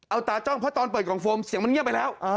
เอาตาจ้องเพราะตอนเปิดกล่องโฟมเสียงมันเงียบไปแล้ว